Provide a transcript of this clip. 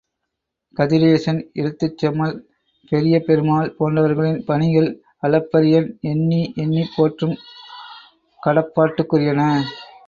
கதிரேசன், எழுத்துச்செம்மல் பெரியபெருமாள் போன்றவர்களின் பணிகள் அளப்பரியன் எண்ணி எண்ணிப் போற்றும் கடப்பாட்டுக்குரியன.